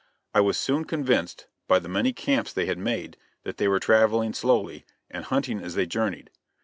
I was soon convinced, by the many camps they had made, that they were traveling slowly, and hunting as they journeyed.